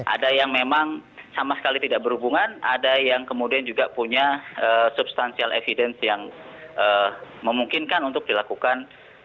ada yang memang sama sekali tidak berhubungan ada yang kemudian juga punya substansial evidence yang memungkinkan untuk dilakukan